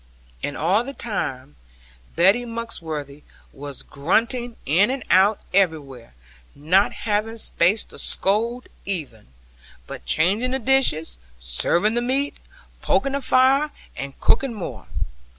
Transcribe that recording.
And all the time, Betty Muxworthy was grunting in and out everywhere, not having space to scold even, but changing the dishes, serving the meat, poking the fire, and cooking more.